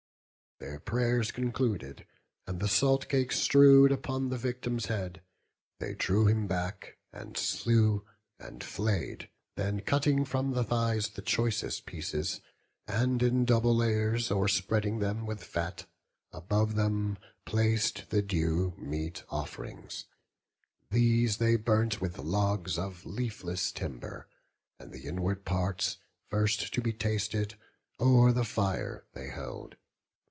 Their pray'rs concluded, and the salt cake strewed Upon the victim's head, they drew him back, And slew, and flay'd; then cutting from the thighs The choicest pieces, and in double layers O'erspreading them with fat, above them plac'd The due meat off'rings; these they burnt with logs Of leafless timber; and the inward parts, First to be tasted, o'er the fire they held.